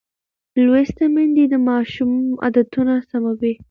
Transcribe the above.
لوستې میندې د ماشوم عادتونه سموي.